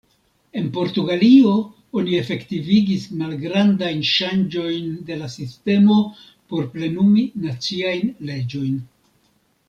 En Portugalio oni efektivigis malgrandajn ŝanĝojn de la sistemo por plenumi naciajn leĝojn.